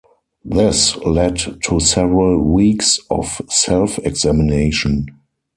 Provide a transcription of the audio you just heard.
This led to several weeks of self-examination.